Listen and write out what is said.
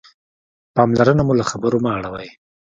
پاملرنه مو له خبرو مه اړوئ.